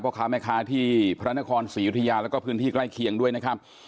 ค้าแม่ค้าที่พระนครศรียุธยาแล้วก็พื้นที่ใกล้เคียงด้วยนะครับ